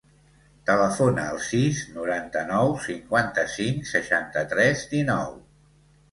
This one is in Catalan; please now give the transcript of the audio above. Telefona al sis, noranta-nou, cinquanta-cinc, seixanta-tres, dinou.